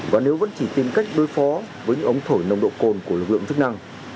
và nếu vẫn chỉ tìm cách đối phó với những ống thổi nồng độ cồn của lực lượng chức năng